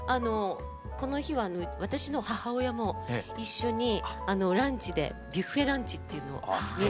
この日は私の母親も一緒にランチでビュッフェランチっていうのをみんなで。